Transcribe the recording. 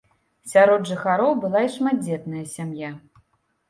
Сярод жыхароў была і шматдзетная сям'я.